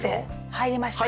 入りました？